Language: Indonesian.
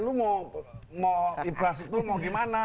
lu mau mau infrastruktur mau gimana